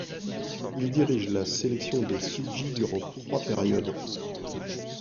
Il dirige la sélection de Fidji durant trois périodes.